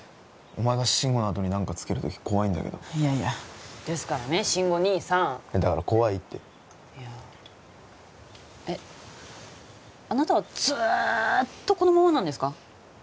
お前が慎吾のあとに何かつけるとき怖いんだけどいやいやですからね慎吾兄さんだから怖いっていやえっあなたはずっとこのままなんですか？